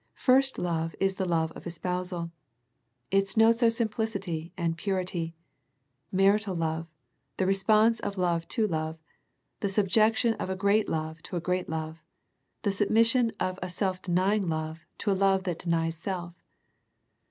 First love is the love of espousal. Its notes are simplicity, and purity, marital love, the response of love to love, the subjection of a great love to a great love, the submission of a self denying love to a love that denies self.